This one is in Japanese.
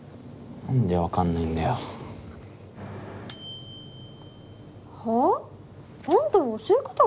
何で分かんないんだよ。はあ？あんたの教え方が悪いんでしょ。